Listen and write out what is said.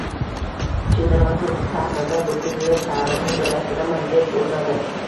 Chin dramaturg sahnada butun yer sharini joylashtiraman deb urinadi